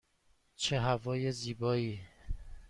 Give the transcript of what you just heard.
چه هوای زیبایی!